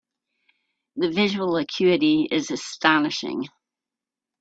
The visual acuity is astonishing.